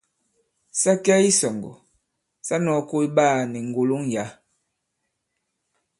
Sa kɛ i isɔ̀ŋgɔ̀ sa nɔ̄ɔ koy ɓaā ni ŋgòloŋ yǎ.